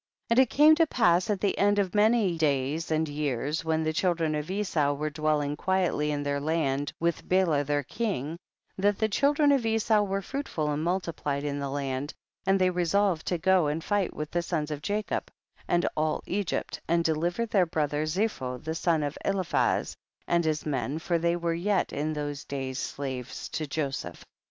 190 THE BOOK OF JASHER. 14. And it came to pass at the end of many days and years, when the children of Esau were dwelhng quietly in their land with Bela their king, that the children of Esau were fruitful and multiplied in the land, and they resolved to go and fight with the sons of Jacob and all Egypt, and to deliver their brother Zepho, the son of Eliphaz, and his men, for they were yet in those days slaves to Jo seph.